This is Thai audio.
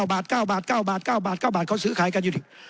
บาท๙บาท๙บาท๙บาท๙บาทเขาซื้อขายกันอยู่